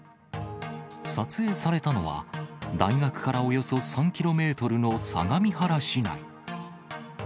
撮影されたのは、大学からおよそ３キロメートルの相模原市内。